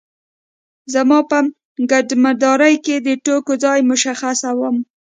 زه په ګدامدارۍ کې د توکو ځای مشخصوم.